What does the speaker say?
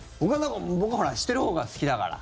僕はしてるほうが好きだから。